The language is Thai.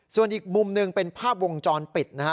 ส่วนอีกมุมหนึ่งเป็นภาพวงจรปิดนะฮะ